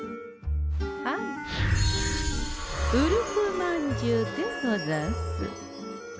ウルフまんじゅうでござんす。